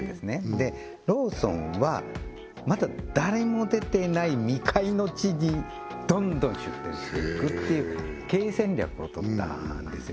でローソンはまだ誰も出ていない未開の地にどんどん出店していくっていう経営戦略をとったんですよ